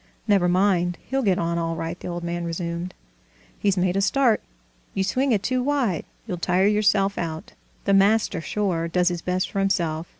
"Never mind, he'll get on all right," the old man resumed. "He's made a start.... You swing it too wide, you'll tire yourself out.... The master, sure, does his best for himself!